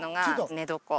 寝床？